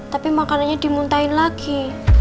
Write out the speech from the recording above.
tapi makanannya dimuntahin lagi